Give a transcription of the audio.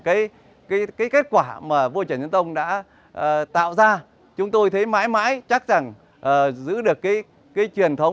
cái kết quả mà vua trần nhân tông đã tạo ra chúng tôi thấy mãi mãi chắc rằng giữ được cái truyền thống